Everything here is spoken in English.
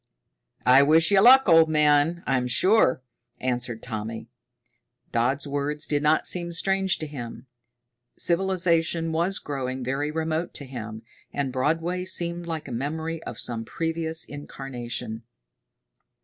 "I wish you luck, old man, I'm sure," answered Tommy. Dodd's words did not seem strange to him. Civilization was growing very remote to him, and Broadway seemed like a memory of some previous incarnation.